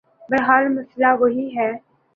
بہرحال مسئلہ وہی ہے۔